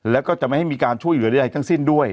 แล้วก็จะไม่ให้มีการช่วยเหลือใดทั้งสิ้นด้วย